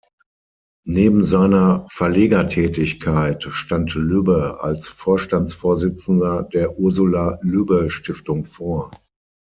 Neben seiner Verlegertätigkeit stand Lübbe als Vorstandsvorsitzender der Ursula-Lübbe-Stiftung vor.